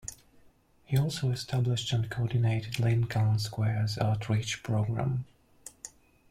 He also established and coordinated Lincoln Square's outreach program.